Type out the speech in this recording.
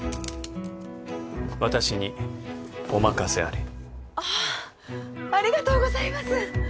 私にお任せあれあっありがとうございます！